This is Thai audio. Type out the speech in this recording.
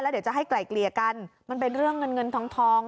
เดี๋ยวจะให้ไกลเกลี่ยกันมันเป็นเรื่องเงินเงินทอง